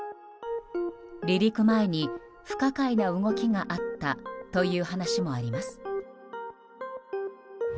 離陸前に不可解な動きがあったという話もあります。